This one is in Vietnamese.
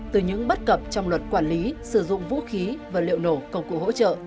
từ những bất cập trong luật quản lý sử dụng vũ khí và liệu nổ công cụ hỗ trợ